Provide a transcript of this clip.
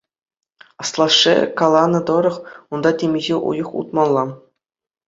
Аслашшӗ каланӑ тӑрӑх, унта темиҫе уйӑх утмалла.